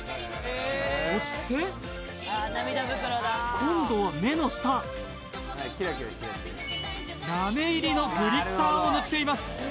そして今度は目の下ラメ入りのグリッターを塗っています